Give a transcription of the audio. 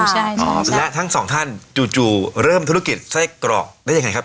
มาที่เขียนหมูใช่อ๋อและทั้งสองท่านจู่จู่เริ่มธุรกิจไส้กรอกได้ยังไงครับ